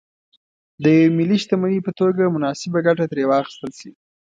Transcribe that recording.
د یوې ملي شتمنۍ په توګه مناسبه ګټه ترې واخیستل شي.